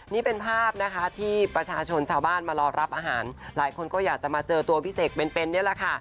นี่เป็นภาพนะคะที่ประชาชนชาวบ้านมารอรับอาหารหลายคนก็อยากจะมาเจอตัวพี่เสกเป็นนี่แหละค่ะ